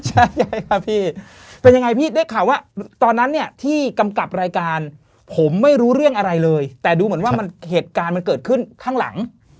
ใช่ค่ะพี่เป็นยังไงพี่ได้ข่าวว่าตอนนั้นเนี่ยที่กำกับรายการผมไม่รู้เรื่องอะไรเลยแต่ดูเหมือนว่ามันเหตุการณ์มันเกิดขึ้นข้างหลัง